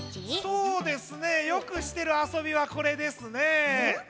そうですねよくしてるあそびはこれですね。